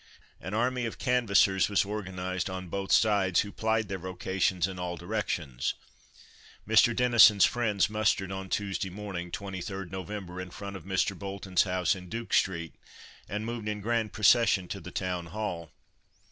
An army of canvassers was organised on both sides, who plied their vocations in all directions. Mr. Denison's friends mustered on Tuesday morning, 23rd November, in front of Mr. Bolton's house in Duke street, and moved in grand procession to the Town Hall.